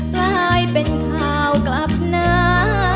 กลายเป็นข่าวกลับหน้า